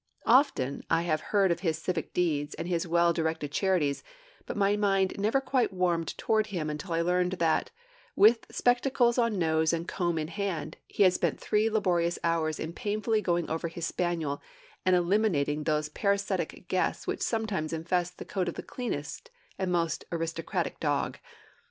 Often had I heard of his civic deeds and of his well directed charities, but my heart never quite warmed toward him until I learned that, with spectacles on nose and comb in hand, he had spent three laborious hours in painfully going over his spaniel, and eliminating those parasitic guests which sometimes infest the coat of the cleanest and most aristocratic dog.